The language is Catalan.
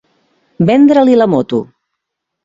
Vendre-li la moto.